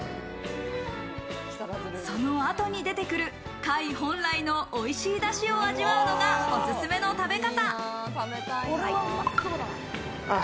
そのあとに出てくる貝本来のおいしいだしを味わうのがおすすめの食べ方。